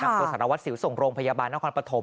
ตัวสารวัสสิวส่งโรงพยาบาลนครปฐม